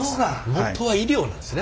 元は医療なんですね。